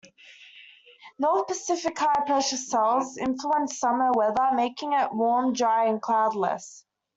North Pacific high pressure cells influence summer weather, making it warm, dry and cloudless.